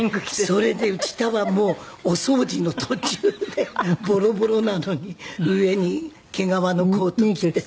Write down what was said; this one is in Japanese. それで下はもうお掃除の途中でボロボロなのに上に毛皮のコート着て。